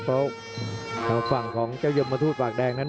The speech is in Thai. เพราะทางฝั่งของเจ้ายมทูตฝากแดงนั้น